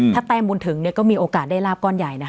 ถ้าแป้มบุญถึงเนี่ยก็มีโอกาสได้ราบก้อนใหญ่